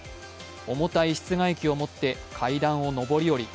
重たい室外機を持って階段を上り下り。